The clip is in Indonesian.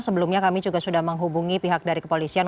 sebelumnya kami juga sudah menghubungi pihak dari kepolisian